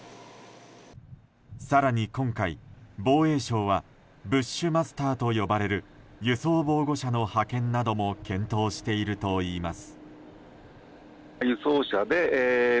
更に今回、防衛省はブッシュマスターと呼ばれる輸送防護車の派遣なども検討しているといいます。